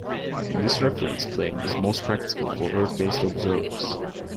This reference plane is most practical for Earth-based observers.